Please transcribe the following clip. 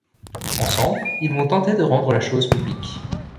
Ensemble, ils vont tenter de rendre la chose publique.